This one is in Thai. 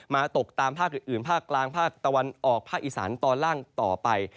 ตกตามภาคอื่นภาคกลางภาคตะวันออกภาคอีสานตอนล่างต่อไป